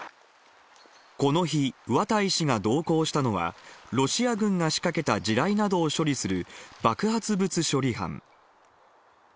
この日、綿井氏が同行したのは、ロシア軍が仕掛けた地雷などを処理する、爆発物処理班。